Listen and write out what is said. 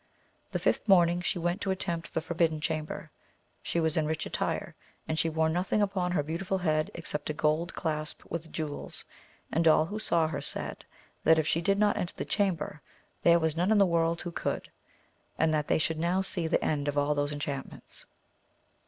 The fifth morning she went to attempt the ForMdden Chamber ; she was in rich attire, and she wore nothing upon her beautiful head except a gold clasp with jewels, and all who saw her said, that if she did not enter the Chamber there was none in the world who could, and that they should now see the end of all those enchantments.